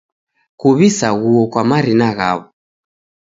Kuw'isaghuo kwa marina ghaw'o